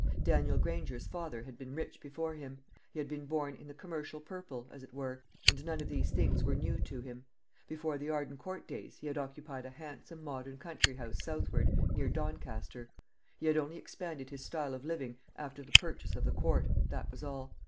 Daniel Granger's father had been rich before him; he had been born in the commercial purple, as it were, and none of these things were new to him. Before the Arden Court days he had occupied a handsome modern country house southward, near Doncaster. He had only expanded his style of living after the purchase of the Court, that was all.